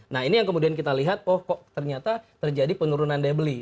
nah ini yang kemudian kita lihat oh kok ternyata terjadi penurunan daya beli